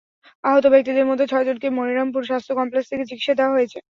আহত ব্যক্তিদের মধ্যে ছয়জনকে মনিরামপুর স্বাস্থ্য কমপ্লেক্স থেকে চিকিৎসা দেওয়া হয়েছে।